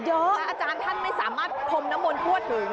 พระอาจารย์ท่านไม่สามารถพรมนมลทั่วถึง